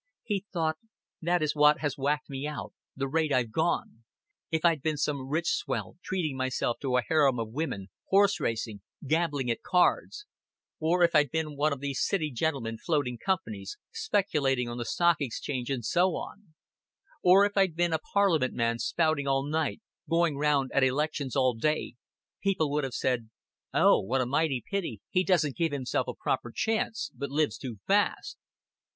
He thought: "That is what has whacked me out the rate I've gone. If I'd been some rich swell treating himself to a harem of women, horse racing, gambling at cards; or if I'd been one of these City gentlemen floating companies, speculating on the Stock Exchange, and so on; or if I'd been a Parliament man spouting all night, going round at elections all day, people would have said: 'Oh, what a mighty pity he doesn't give himself a proper chance, but lives too fast.'